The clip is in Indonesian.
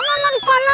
ya gak disana